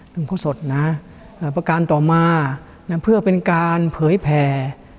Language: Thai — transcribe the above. หลวงพ่อสดนะประการต่อมาเพื่อเป็นการเผยแผ่